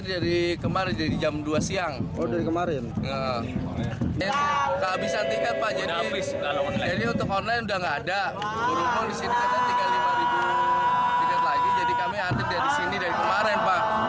di sini ada tiga puluh lima tiket lagi jadi kami ada dari sini dari kemarin pak